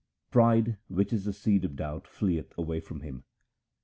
Pride which is the seed of doubt fleeth away from him.